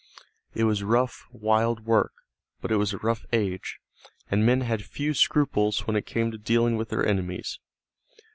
It was rough, wild work, but it was a rough age, and men had few scruples when it came to dealing with their enemies.